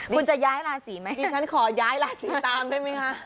คุณจะย้ายราศีไหมดิฉันขอย้ายราศีตามได้ไหมคะ